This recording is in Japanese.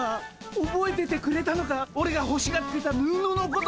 おぼえててくれたのかオレがほしがってた布のこと。